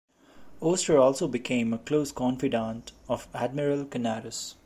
Oster also became a close confidant of Admiral Canaris.